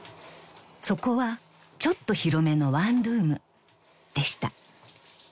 ［そこはちょっと広めのワンルームでした］